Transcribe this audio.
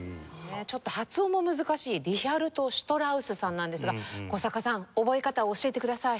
ちょっと発音も難しいリヒャルト・シュトラウスさんなんですが古坂さん覚え方を教えてください。